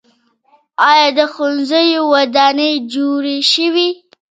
آیا د ښوونځیو ودانۍ جوړې شوي؟